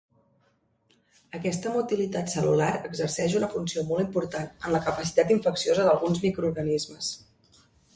Aquesta motilitat cel·lular exerceix una funció molt important en la capacitat infecciosa d'alguns microorganismes.